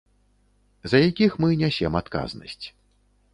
За якіх мы нясем адказнасць.